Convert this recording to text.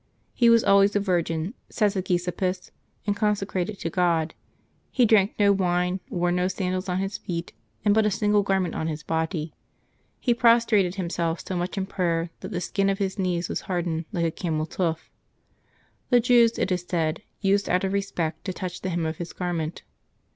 He was always a virgin, says Hegesippus, and consecrated to God. He drank no wine, wore no sandals on his feet, and but a single gar ment on his body. He prostrated himself so much in prayer that the skin of his knees was hardened like a camel's hoof. The Jews, it is said, used out of respect to touch the hem of his garment.